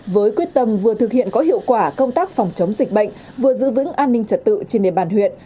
với quyết tâm vừa thực hiện có hiệu quả công tác phòng chống dịch bệnh vừa giữ vững an ninh trật tự trên địa bàn huyện